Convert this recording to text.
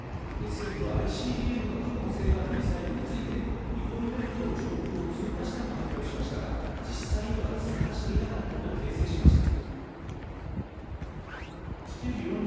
政府はＩＣＢＭの可能性があるミサイルについて日本列島上空を通過したと発表しましたが、実際には通過していなかったと訂正しました。